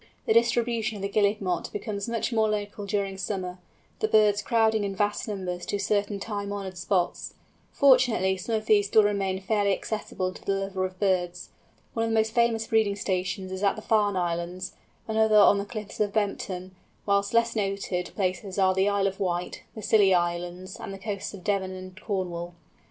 The distribution of the Guillemot becomes much more local during summer, the birds crowding in vast numbers to certain time honoured spots. Fortunately some of these still remain fairly accessible to the lover of birds. One of the most famous breeding stations is at the Farne Islands; another on the cliffs at Bempton; whilst less noted places are in the Isle of Wight, the Scilly Islands, and the coasts of Devon and Cornwall.